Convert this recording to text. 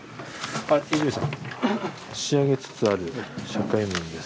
泉さん仕上げつつある社会面です。